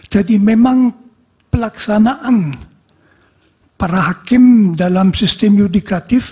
jadi memang pelaksanaan para hakim dalam sistem yudikatif